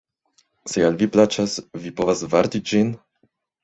Se al vi plaĉas, vi povas varti ĝin?